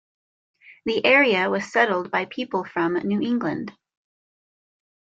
The area was settled by people from New England.